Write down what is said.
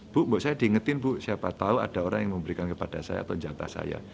bu saya diingetin bu siapa tahu ada orang yang memberikan kepada saya atau jatah saya